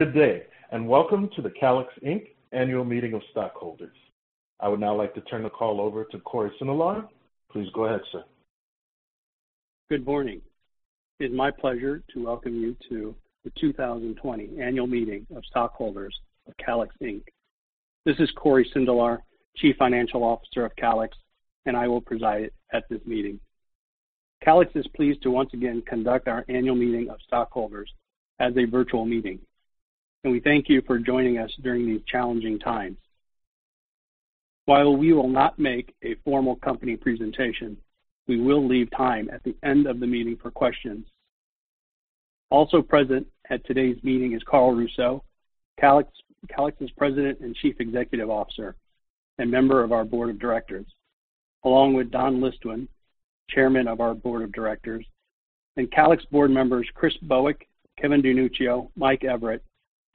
Good day, and welcome to the Calix, Inc. Annual Meeting of Stockholders. I would now like to turn the call over to Cory Sindelar. Please go ahead, sir. Good morning. It is my pleasure to welcome you to the 2020 Annual Meeting of Stockholders of Calix, Inc. This is Cory Sindelar, Chief Financial Officer of Calix, and I will preside at this meeting. Calix is pleased to once again conduct our Annual Meeting of Stockholders as a virtual meeting, and we thank you for joining us during these challenging times. While we will not make a formal company presentation, we will leave time at the end of the meeting for questions. Also present at today's meeting is Carl Russo, Calix's President and Chief Executive Officer and member of our Board of Directors, along with Don Listwin, Chairman of our Board of Directors, and Calix board members Chris Bowick, Kevin DeNuccio, Mike Everett,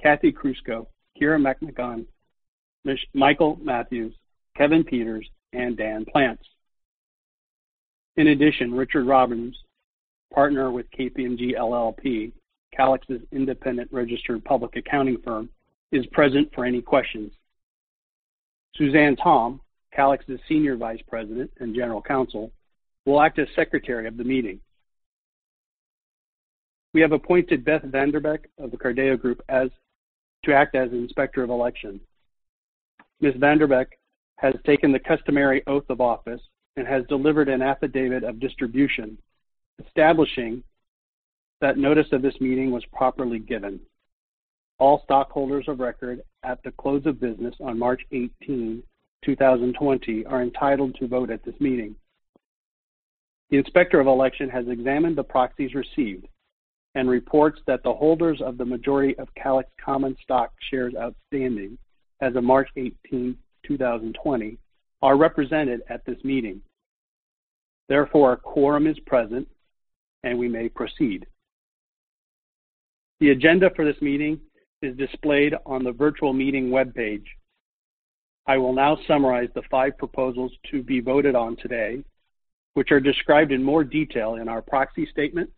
Kathy Crusco, Kira Makagon, Michael Matthews, Kevin Peters, and Dan Plants. In addition, Richard Robbins, partner with KPMG LLP, Calix's independent registered public accounting firm, is present for any questions. Suzanne Tom, Calix's Senior Vice President and General Counsel, will act as Secretary of the meeting. We have appointed Beth VanDerbeck of The Carideo Group to act as Inspector of Election. Ms. VanDerbeck has taken the customary oath of office and has delivered an affidavit of distribution establishing that notice of this meeting was properly given. All stockholders of record at the close of business on March 18, 2020 are entitled to vote at this meeting. The Inspector of Election has examined the proxies received and reports that the holders of the majority of Calix common stock shares outstanding as of March 18, 2020 are represented at this meeting. Therefore, a quorum is present, and we may proceed. The agenda for this meeting is displayed on the virtual meeting webpage. I will now summarize the five proposals to be voted on today, which are described in more detail in our proxy statement.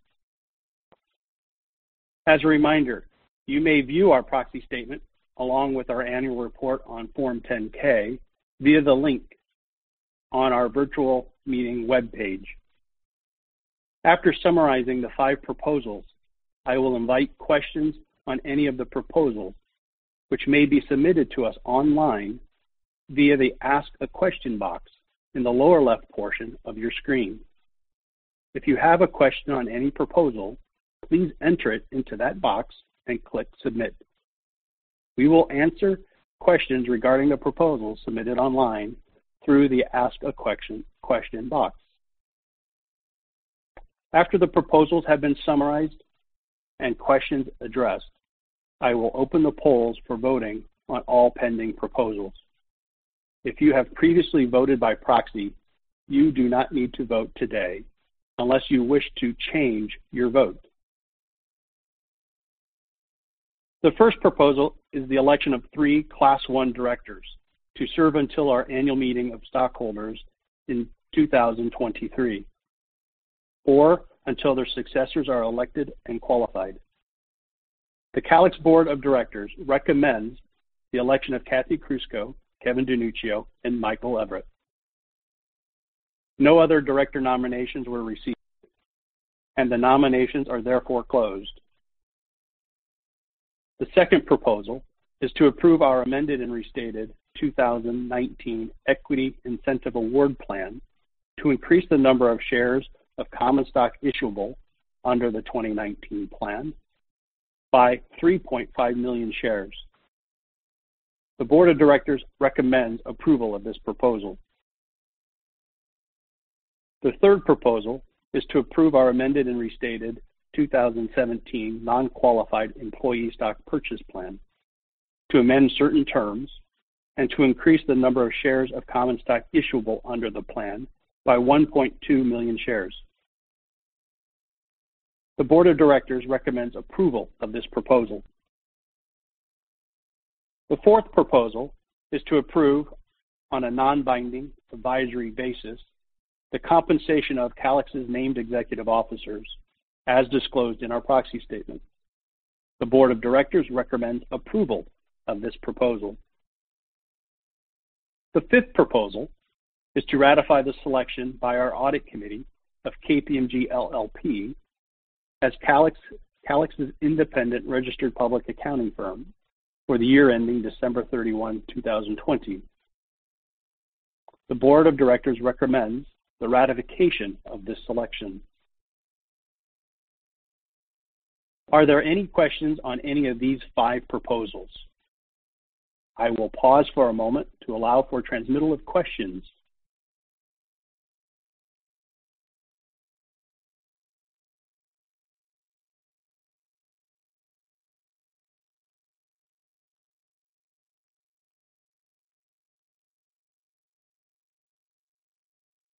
As a reminder, you may view our proxy statement, along with our Annual Report on Form 10-K, via the link on our virtual meeting webpage. After summarizing the five proposals, I will invite questions on any of the proposals, which may be submitted to us online via the Ask a Question box in the lower left portion of your screen. If you have a question on any proposal, please enter it into that box and click Submit. We will answer questions regarding the proposals submitted online through the Ask a Question box. After the proposals have been summarized and questions addressed, I will open the polls for voting on all pending proposals. If you have previously voted by proxy, you do not need to vote today unless you wish to change your vote. The first proposal is the election of 3 Class I directors to serve until our Annual Meeting of Stockholders in 2023 or until their successors are elected and qualified. The Calix Board of Directors recommends the election of Kathy Crusco, Kevin DeNuccio, and Michael Everett. No other director nominations were received, and the nominations are therefore closed. The second proposal is to approve our amended and restated 2019 Equity Incentive Award Plan to increase the number of shares of common stock issuable under the 2019 plan by 3.5 million shares. The Board of Directors recommends approval of this proposal. The third proposal is to approve our amended and restated 2017 Nonqualified Employee Stock Purchase Plan to amend certain terms and to increase the number of shares of common stock issuable under the plan by 1.2 million shares. The Board of Directors recommends approval of this proposal. The fourth proposal is to approve on a non-binding advisory basis the compensation of Calix's named executive officers as disclosed in our proxy statement. The Board of Directors recommends approval of this proposal. The fifth proposal is to ratify the selection by our Audit Committee of KPMG LLP as Calix's independent registered public accounting firm for the year ending December 31, 2020. The Board of Directors recommends the ratification of this selection. Are there any questions on any of these five proposals? I will pause for a moment to allow for transmittal of questions.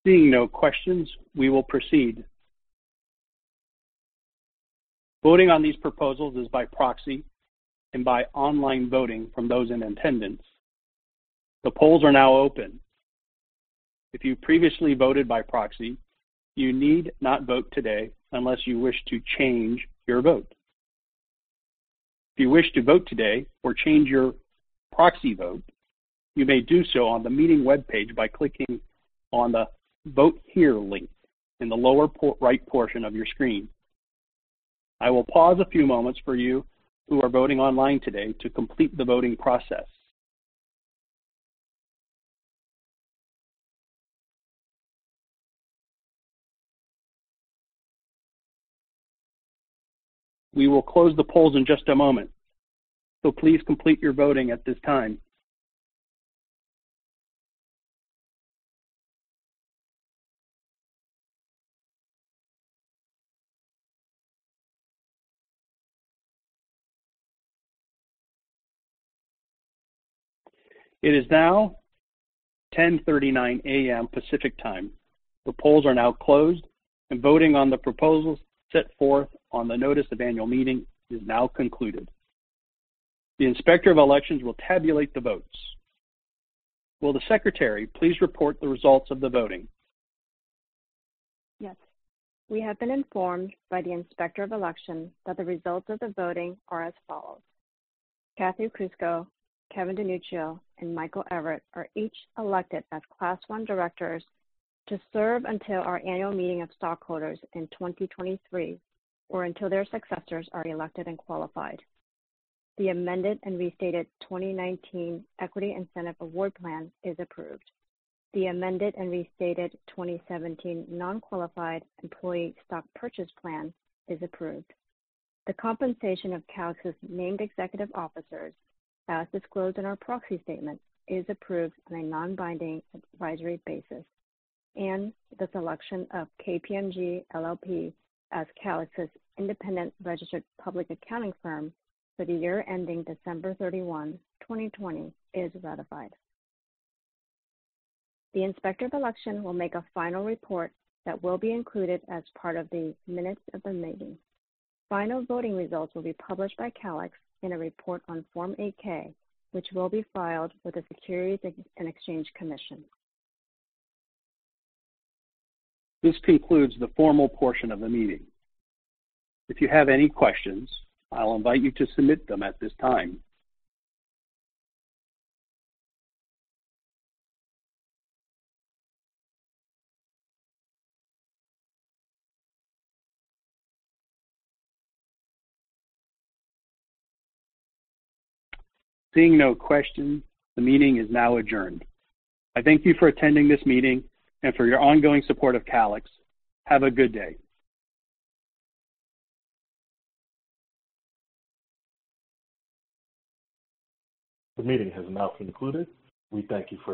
Seeing no questions, we will proceed. Voting on these proposals is by proxy and by online voting from those in attendance. The polls are now open. If you previously voted by proxy, you need not vote today unless you wish to change your vote. If you wish to vote today or change your proxy vote, you may do so on the meeting webpage by clicking on the Vote Here link in the lower right portion of your screen. I will pause a few moments for you who are voting online today to complete the voting process. We will close the polls in just a moment. Please complete your voting at this time. It is now 10:39 A.M. Pacific Time. The polls are now closed. Voting on the proposals set forth on the notice of annual meeting is now concluded. The Inspector of Election will tabulate the votes. Will the Secretary please report the results of the voting? Yes. We have been informed by the Inspector of Election that the results of the voting are as follows: Kathy Crusco, Kevin DeNuccio, and Michael Everett are each elected as Class One directors to serve until our annual meeting of stockholders in 2023, or until their successors are elected and qualified. The amended and restated 2019 Equity Incentive Award Plan is approved. The amended and restated 2017 Nonqualified Employee Stock Purchase Plan is approved. The compensation of Calix's named executive officers, as disclosed in our proxy statement, is approved on a non-binding advisory basis, and the selection of KPMG LLP as Calix's independent registered public accounting firm for the year ending December 31, 2020 is ratified. The Inspector of Election will make a final report that will be included as part of the minutes of the meeting. Final voting results will be published by Calix in a report on Form 8-K, which will be filed with the Securities and Exchange Commission. This concludes the formal portion of the meeting. If you have any questions, I'll invite you to submit them at this time. Seeing no questions, the meeting is now adjourned. I thank you for attending this meeting and for your ongoing support of Calix. Have a good day. The meeting has now concluded. We thank you for.